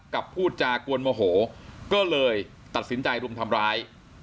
พูดจากวนโมโหก็เลยตัดสินใจรุมทำร้าย